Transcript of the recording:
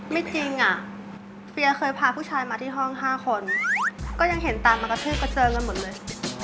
ไม่จริงอ่ะเฟียเคยพาผู้ชายมาที่ห้อง๕คนก็ยังเห็นตามมากระทืบกระเจิงกันหมดเลย